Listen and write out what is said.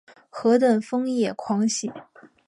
何等疯野狂喜？